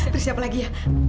terus siapa lagi ya